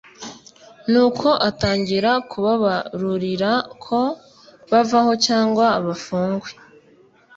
nuko atangira kubabarurira ko bavaho cyagwa bafungwe